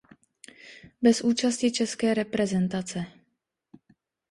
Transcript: Bez účasti české reprezentace.